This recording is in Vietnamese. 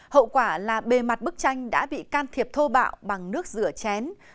hậu quả là bề mặt bức tranh đã bị can thiệp thô bạo bằng nước rửa chén